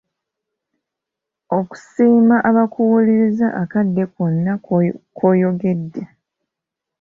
Okusiima abakuwuliriza okadde kwonna k'oyogedde.